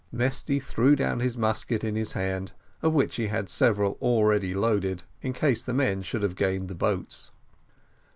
Mesty threw down his musket in his hand, of which he had several all ready loaded, in case the men should have gained the boats.